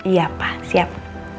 iya pak siap